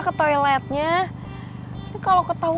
kalau ada ada apa atau